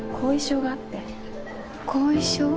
後遺症？